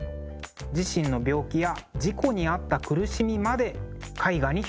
自身の病気や事故に遭った苦しみまで絵画に表現しています。